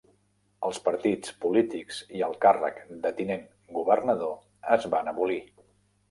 Els partits polítics i el càrrec de tinent governador es van abolir.